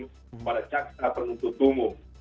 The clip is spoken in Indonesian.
kepada jaksa penuntut umum